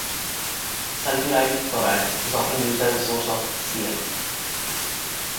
Sulfuryl chloride is often used as a source of Cl.